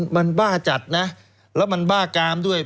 มันบ้าจัดนะแล้วมันบ้ากามด้วย